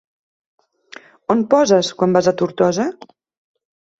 On poses, quan vas a Tortosa?